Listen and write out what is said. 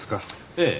ええ。